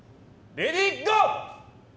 レディーゴー！